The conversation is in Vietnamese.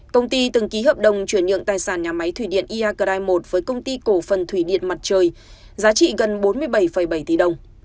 công ty từng ký hợp đồng chuyển nhượng tài sản nhà máy thủy điện iagrai một với công ty cổ phần thủy điện mặt trời giá trị gần bốn mươi bảy bảy tỷ đồng